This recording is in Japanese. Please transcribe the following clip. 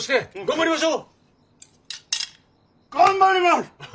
頑張ります！